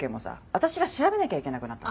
私が調べなきゃいけなくなったの。